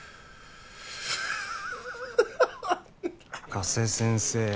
加瀬先生